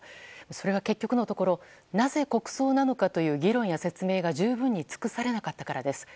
それは結局のところなぜ国葬なのかという議論や説明が十分に尽くされなかったからです。